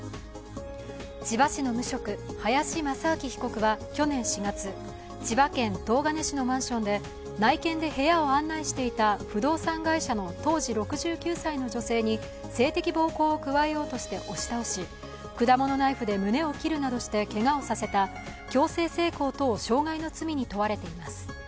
千葉市の無職、林成晃被告は去年４月、千葉県東金市のマンションで内見で部屋を案内していた不動産会社の当時６９歳の女性に性的暴行を加えようとして押し倒し果物ナイフで胸を切るなどしてけがをさせた強制性交等傷害の罪に問われています。